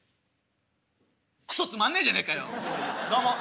クソつまんねえじゃねえかよもういいよ。